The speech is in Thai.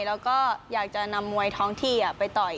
แล้วก็อยากจะนำมวยท้องที่ไปต่อย